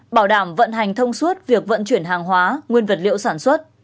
bảo đảm vận hành thông suốt việc vận chuyển hàng hóa nguyên vật liệu sản xuất